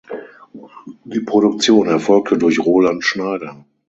Die Produktion erfolgte durch Roland Schneider.